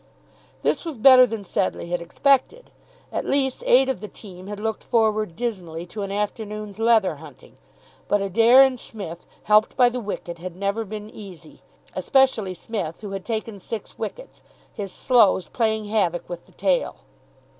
This was better than Sedleigh had expected. At least eight of the team had looked forward dismally to an afternoon's leather hunting. But Adair and Psmith, helped by the wicket, had never been easy, especially Psmith, who had taken six wickets, his slows playing havoc with the tail.